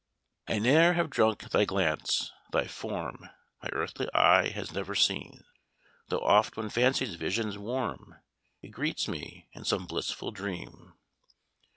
"I ne'er have drunk thy glance thy form My earthly eye has never seen, Though oft when fancy's visions warm, It greets me in some blissful dream.